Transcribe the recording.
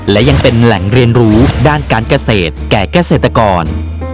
และยังเป็นแหล่งเรียนรู้ด้านการเกษตรแก่เกษตรกร